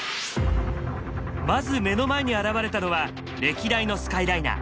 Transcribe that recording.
まず目の前に現れたのは歴代のスカイライナー。